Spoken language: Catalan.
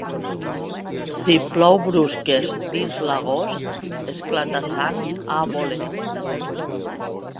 Si plou brusques dins l'agost, esclata-sangs a voler.